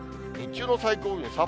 日中の最高気温。